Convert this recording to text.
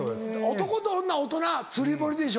「男と女大人釣り堀でしょ」。